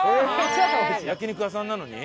焼肉屋さんなのに？